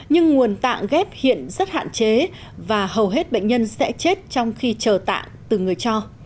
nhưng nguồn tạng ghép hiện rất hạn chế và hầu hết bệnh nhân sẽ chết trong khi chờ tạng từ người cho